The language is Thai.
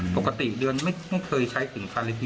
ปกติเดือนไม่เคยใช้ถึงพันเลยที